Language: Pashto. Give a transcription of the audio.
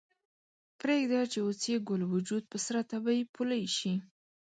پریږده چې اوس یې ګل وجود په سره تبۍ پولۍ شي